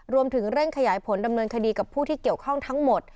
รวมถึงเร่งขยายผลดำเนินคดีกับผู้ที่เกี่ยวข้องทั้งหมด